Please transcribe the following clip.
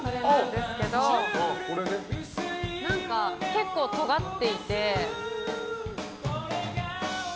結構尖っていて。